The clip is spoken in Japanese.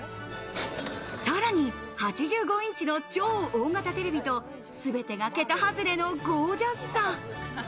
さらに８５インチの超大型テレビと、すべてが桁外れのゴージャスさ。